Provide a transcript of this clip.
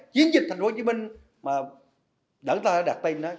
chiến dịch thành phố hồ chí minh mà đỡ ta đặt tay nói